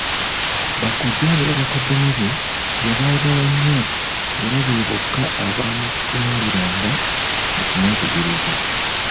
Bakojjaabe ne bakoddomi be yabaagala nnyo era be bokka abaamutunuuliranga okumwetegereza.